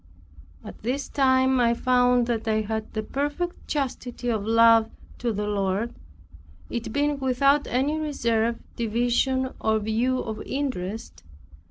At this time I found that I had the perfect chastity of love to the Lord, it being without any reserve, division, or view of interest.